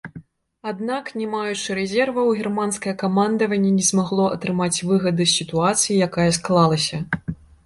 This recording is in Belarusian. Аднак, не маючы рэзерваў, германскае камандаванне не змагло атрымаць выгады з сітуацыі, якая склалася.